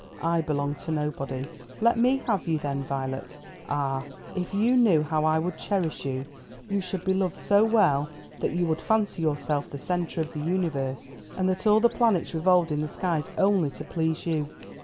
I belong to nobody." "Let me have you then, Violet. Ah, if you knew how I would cherish you! You should be loved so well that you would fancy yourself the centre of the universe, and that all the planets revolved in the skies only to please you.